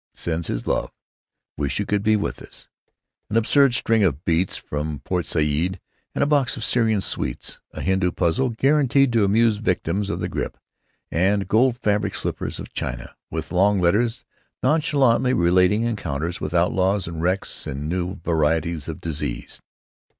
sends his love; wish you could be with us"; an absurd string of beads from Port Saïd and a box of Syrian sweets; a Hindu puzzle guaranteed to amuse victims of the grippe, and gold fabric slippers of China; with long letters nonchalantly relating encounters with outlaws and wrecks and new varieties of disease.